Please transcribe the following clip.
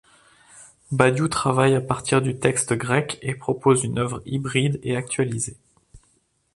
Badiou travaille à partir du texte grec et propose une œuvre hybride et actualisée.